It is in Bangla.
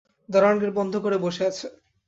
দারোয়ান গেট বন্ধ করে বসে আছে।